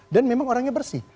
dan memang orangnya bersih